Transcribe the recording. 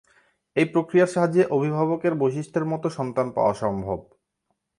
এই প্রক্রিয়ার সাহায্যে অভিভাবকের বৈশিষ্ট্যের মতো সন্তান পাওয়া সম্ভব।